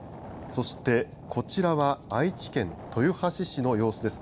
そして、こちらは愛知県豊橋市の様子です。